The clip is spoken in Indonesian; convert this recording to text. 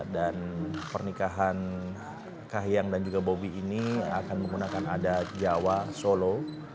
dan pernikahan kahyang dan juga bobi ini akan menggunakan adat jawa solo